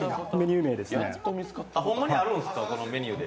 ホンマにあるんですか、このメニューで？